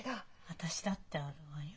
私だってあるわよ。